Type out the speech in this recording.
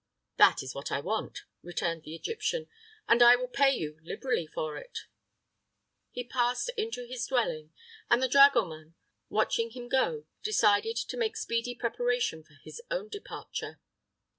"That is what I want," returned the Egyptian, "and I will pay you liberally for it." He passed into his dwelling, and the dragoman, watching him go, decided to make speedy preparation for his own departure.